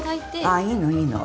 あっいいのいいの。